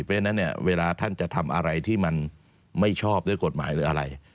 เพราะฉะนั้นเนี่ยเวลาท่านจะทำอะไรที่มันไม่ชอบด้วยกฎหมายหรืออะไร